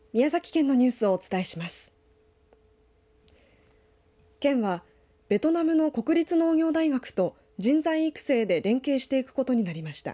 県はベトナムの国立農業大学と人材育成で連携していくことになりました。